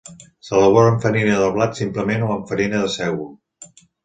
S'elabora amb farina de blat simplement o amb farina de sègol.